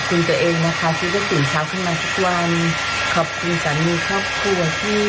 ก็พอวนาให้นิ้วแข็งแรงสุขภาพแข็งแรงหายไว